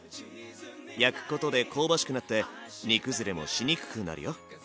焼くことで香ばしくなって煮くずれもしにくくなるよ。